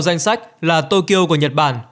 danh sách là tokyo của nhật bản